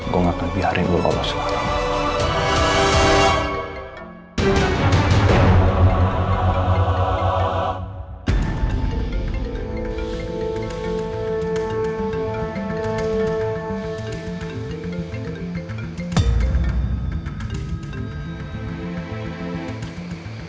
gua gak akan biarin gua bobas sekarang